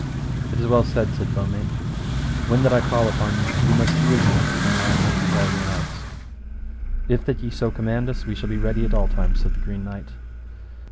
It is well said, said Beaumains; when that I call upon you ye must yield you unto King Arthur, and all your knights. If that ye so command us, we shall be ready at all times, said the Green Knight.